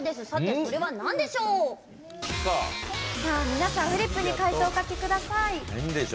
皆さん、フリップに解答をお書きください。